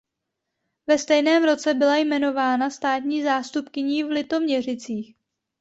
Ve stejném roce byla jmenována státní zástupkyní v Litoměřicích.